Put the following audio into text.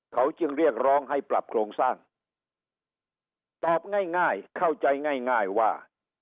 เขาจึงเรียกร้องให้ปรับโครงสร้างตอบง่ายง่ายเข้าใจง่ายว่า